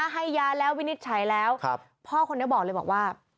ให้ยาแล้ววินิจฉัยแล้วพ่อคนนี้บอกเลยบอกว่า